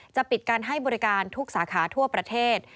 ปิดการให้บริการทุกสาขาทั่วประเทศ